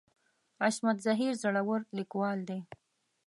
عصمت زهیر زړور ليکوال دی.